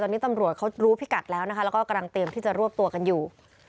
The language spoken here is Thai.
ตอนนี้ตำรวจเขารู้พิกัดแล้วนะคะแล้วก็กำลังเตรียมที่จะรวบตัวกันอยู่